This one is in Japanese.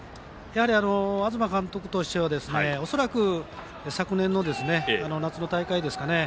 東監督としては恐らく昨年の夏の大会ですかね